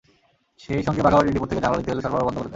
সেই সঙ্গে বাঘাবাড়ী ডিপো থেকে জ্বালানি তেল সরবরাহ বন্ধ করে দেন।